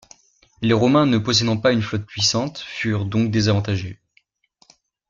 Les Romains ne possédant pas une flotte puissante furent donc désavantagés.